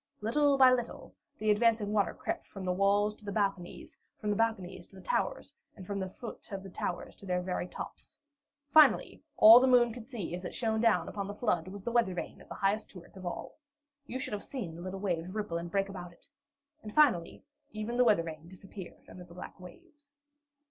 Little by little the advancing water crept from the walls to the balconies, from the balconies to the towers, and from the foot of the towers to their very tops. Finally, all the moon could see as it shone upon the flood was the weather vane of the highest turret of all. You should have seen the little waves ripple and break about it! And finally, even the weather vane disappeared under the black waves.